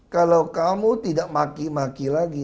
kalau kamu tidak maki maki lagi